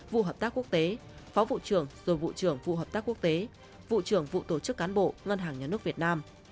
vụ hợp tác quốc tế phó vụ trưởng rồi vụ trưởng vụ hợp tác quốc tế vụ trưởng vụ tổ chức cán bộ ngân hàng nhà nước việt nam